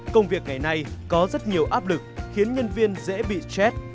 công việc ngày nay có rất nhiều áp lực khiến nhân viên dễ bị chết